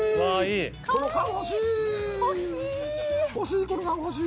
この缶欲しい！